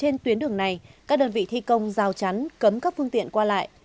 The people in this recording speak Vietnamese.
trên tuyến đường này các đơn vị thi công giao tránh cấm các phương tiện qua lại